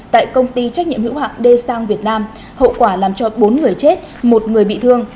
tại công ty trách nhiệm hữu hạn d sang việt nam hậu quả làm cho bốn người chết một người bị thương